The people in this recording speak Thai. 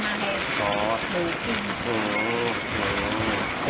บันกมือกิน